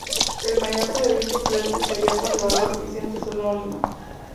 El candidato de dicho frente sería el conservador Vicente Solano Lima.